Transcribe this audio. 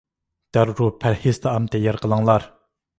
دەررۇ پەرھىز تائام تەييار قىلىڭلار!